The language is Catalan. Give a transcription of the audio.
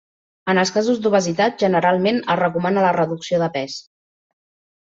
En els casos d'obesitat, generalment es recomana la reducció de pes.